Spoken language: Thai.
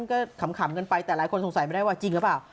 ก็ขำกันไปแต่หลายคนสงสัยไม่ได้ว่าจริงหรือเปล่า